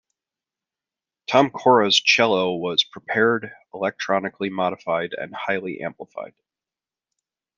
Tom Cora's cello was prepared, electronically modified and highly amplified.